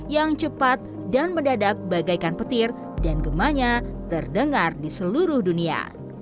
yang cepat dan mendadak bagaikan petir dan gemahnya terdengar di seluruh dunia